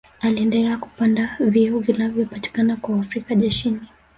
Aliendela kupanda vyeo vilivyopatikana kwa Waafrika jeshini